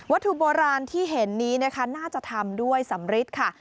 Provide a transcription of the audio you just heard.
ถุโบราณที่เห็นนี้นะคะน่าจะทำด้วยสำริดค่ะ